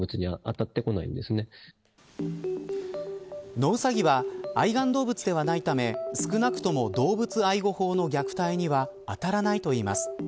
野ウサギは愛玩動物ではないため少なくとも動物愛護法の虐待には当たらないといいます。